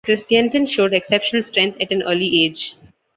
Christiansen showed exceptional strength at an early age.